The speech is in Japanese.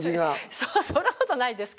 そんなことないですけど。